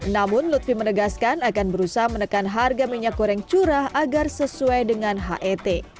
namun lutfi menegaskan akan berusaha menekan harga minyak goreng curah agar sesuai dengan het